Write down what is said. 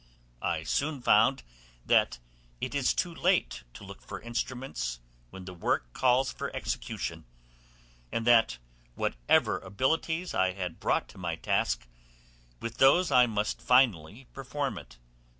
I soon found that it is too late to look for instruments, when the work calls for execution, and that whatever abilities I had brought to my task, with those I must finally perform it.